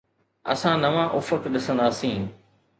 اسان نوان افق ڏسنداسين.